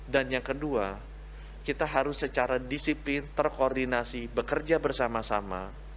dan yang kedua kita harus secara disipil terkoordinasi bekerja bersama sama